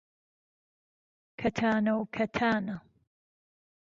کهتانه و کهتانه